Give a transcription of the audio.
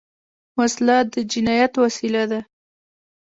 وسله د جنايت وسیله ده